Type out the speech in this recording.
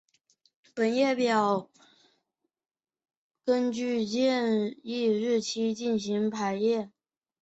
本列表根据建立日期进行排序。